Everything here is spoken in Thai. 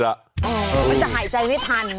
มันจะหายใจไม่ทัน